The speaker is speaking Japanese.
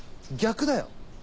逆だよ。